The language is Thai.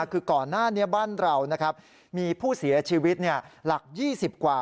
คือก่อนหน้านี้บ้านเรามีผู้เสียชีวิตหลัก๒๐กว่า